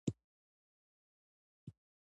ژمی د افغانستان د طبعي سیسټم توازن ساتي.